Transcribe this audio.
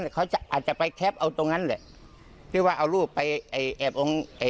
ก็จะอาจจะไปแคะป์เอาตรงนั้นเลยถือว่าเอารูปไอ้แอบอ้างอะไรแหละ